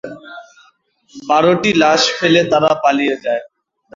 বারটি লাশ ফেলে তারা পালিয়ে যায়।